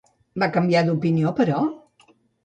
Va canviar d'opinió, però?